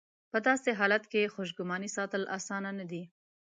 په داسې حالت کې خوشګماني ساتل اسانه نه ده.